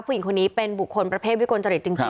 ผู้หญิงคนนี้เป็นบุคคลประเภทวิกลจริตจริง